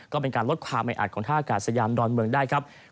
ก็เป็นการลดความไม่อัดของท่าอากาศยานดอนเมืองได้ครับ